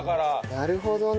なるほどね。